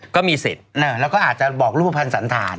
ก็มีสิทธิ์แล้วก็อาจจะบอกรูปภัณฑ์สันธาร